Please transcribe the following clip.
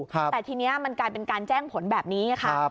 แต่ทีนี้มันกลายเป็นการแจ้งผลแบบนี้ไงค่ะ